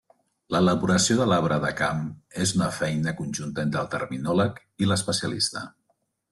L’elaboració de l’arbre de camp és una feina conjunta entre el terminòleg i l’especialista.